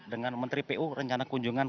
dengan menteri pu rencana kunjungan